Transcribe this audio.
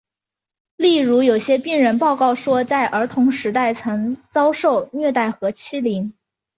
例如有些病人报告说在儿童时代曾遭受虐待和欺凌。